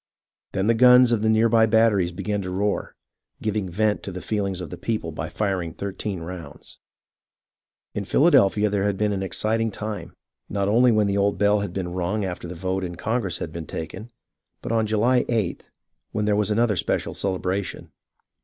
Then the guns of the near by batteries began to roar, giving vent to the feehngs of the people by firing thirteen rounds. In Philadelphia there had been an exciting time, not only when the old bell had been rung after the vote in Congress had been taken, but on July Sth, when there was another and special celebration.